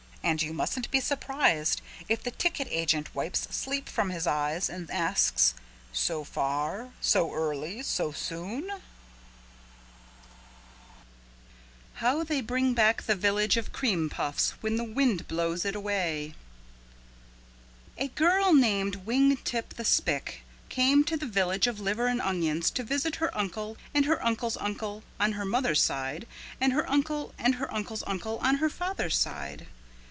And you mustn't be surprised if the ticket agent wipes sleep from his eyes and asks, "So far? So early? So soon?" How They Bring Back the Village of Cream Puffs When the Wind Blows It Away A girl named Wing Tip the Spick came to the Village of Liver and Onions to visit her uncle and her uncle's uncle on her mother's side and her uncle and her uncle's uncle on her father's side.